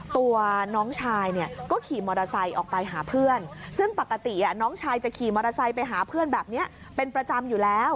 ตัวน้องชายเนี่ยก็ขี่มอเตอร์ไซค์ออกไปหาเพื่อนซึ่งปกติน้องชายจะขี่มอเตอร์ไซค์ไปหาเพื่อนแบบนี้เป็นประจำอยู่แล้ว